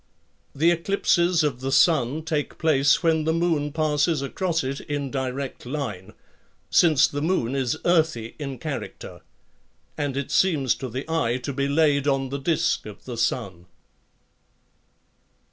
The eclipses of the sun take place when the moon passes across it in direct line, since the moon is earthy in character ; and it seems to the eye to be laid on the disk of the sun.